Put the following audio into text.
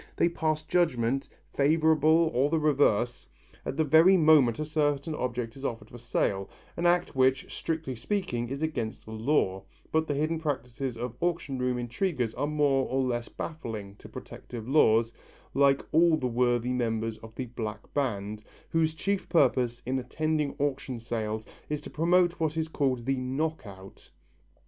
They pass judgment, favourable or the reverse, at the very moment a certain object is offered for sale, an act which, strictly speaking, is against the law but the hidden practices of auction room intriguers are more or less baffling to protective laws, like all the worthy members of the "black band," whose chief purpose in attending auction sales is to promote what is called the "knock out."